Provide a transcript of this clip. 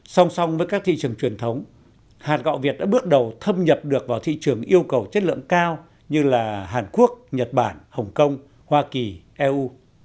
song song với các thị trường truyền thống hạt gạo việt đã bước đầu thâm nhập được vào thị trường yêu cầu chất lượng cao như hàn quốc nhật bản hồng kông hoa kỳ eu